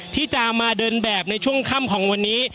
ที่จะมาเดินแบบในช่วงค่ำของวันนี้